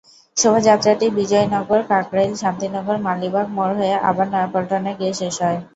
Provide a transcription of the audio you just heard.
শোভাযাত্রাটি বিজয়নগর, কাকরাইল, শান্তিনগর, মালিবাগ মোড় হয়ে আবার নয়াপল্টনে গিয়ে শেষ হয়।